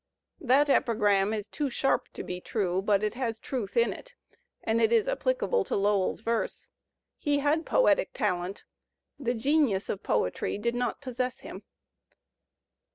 That epigram is too sharp to be true, but it has truth in it, and it is applicable to Lowell's verse. He had poetic talent; the genius of poetry did not possess him.